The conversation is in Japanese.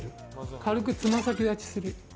軽くつま先立ちする。